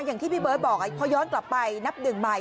อย่างที่พี่เบิร์ตบอกพอย้อนกลับไปนับหนึ่งใหม่